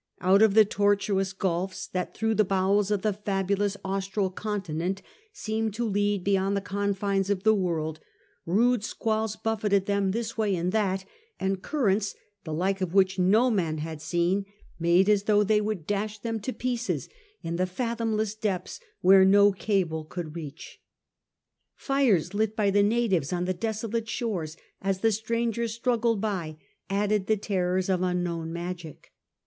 Out of the tortuous gulfs that through the bowels of the fabulous Austral continent seemed to lead beyond the confines of the world, rude squalls buffeted them this way and that, and currents, the like of which no man had seen, made as though they would dash them to pieces in the fathomless depths where no cable would reach. Fires lit by natives on the desolate shores as the strangers struggled by, added the terrors of unknown magic.